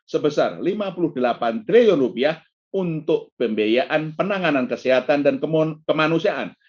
sebesar rp lima puluh delapan triliun rupiah untuk pembiayaan penanganan kesehatan dan kemanusiaan